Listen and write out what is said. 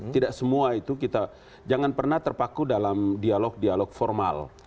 tidak semua itu kita jangan pernah terpaku dalam dialog dialog formal